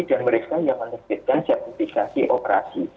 dan mereka yang meneknitkan sertifikasi operasi